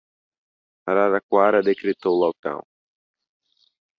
Araraquara decretou lockdown